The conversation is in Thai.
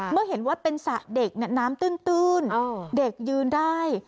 เมื่อเห็นว่าเป็นสระเด็กน้ำตื้นเด็กยืนได้